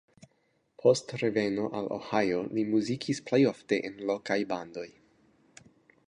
Post reveno al Ohio li muzikis plejofte en lokaj bandoj.